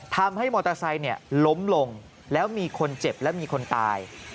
ทำให้มอเตอร์ไซค์ล้มลงแล้วมีคนเจ็บและมีคนตาย